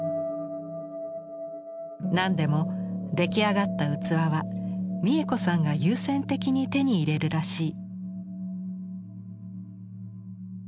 何でも出来上がった器は三枝子さんが優先的に手に入れるらしい。